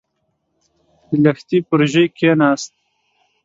د لښتي پر ژۍکېناست.